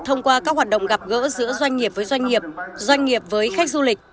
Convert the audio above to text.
thông qua các hoạt động gặp gỡ giữa doanh nghiệp với doanh nghiệp doanh nghiệp với khách du lịch